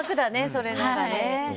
それなら。